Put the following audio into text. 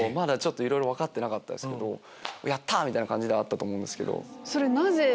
いろいろ分かってなかったけどやった！みたいな感じではあったと思う。